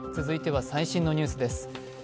続いては最新のニュースです。